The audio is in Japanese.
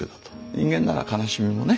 人間なら悲しみもね